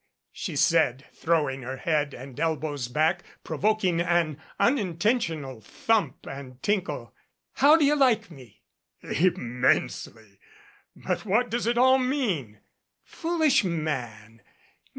she said, throwing her head and elbows back, provoking an unintentional thump and tinkle. "How do you like me?" "Immensely ! But what does it all mean ?" "Foolish man.